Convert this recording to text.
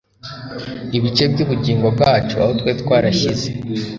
ibice byubugingo bwacu, aho twari twarashyize